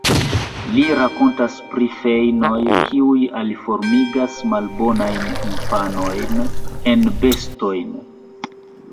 Li rakontas pri feinoj, kiuj aliformigas malbonajn infanojn en bestojn.